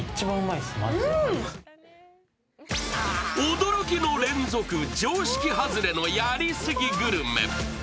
驚きの連続、常識外れのやりすぎグルメ。